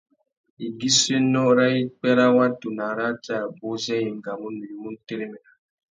Igussénô râ ipwê râ watu na arratê abú zê i engamú nuyumú nu téréména.